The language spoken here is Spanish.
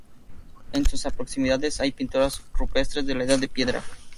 En sus proximidades hay pinturas rupestres de la Edad de Piedra.